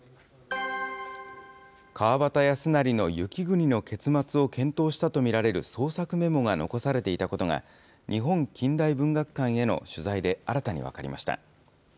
川端康成の雪国の結末を検討したと見られる創作メモが残されていたことが、日本近代文学館への取材で新たに分かりました。